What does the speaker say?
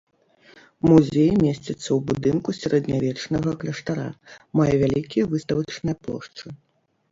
Музей месціцца ў будынку сярэднявечнага кляштара, мае вялікія выставачныя плошчы.